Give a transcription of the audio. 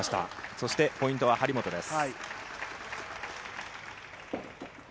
そしてポイントは張本です。